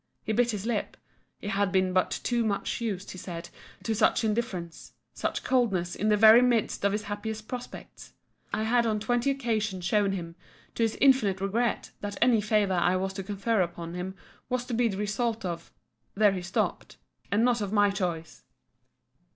He bit his lip—he had been but too much used, he said, to such indifference, such coldness, in the very midst of his happiest prospects. I had on twenty occasions shown him, to his infinite regret, that any favour I was to confer upon him was to be the result of—there he stopt—and not of my choice.